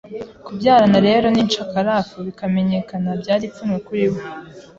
kubyarana rero n’incakarafu bikamenyakana byari ipfunwe kuri we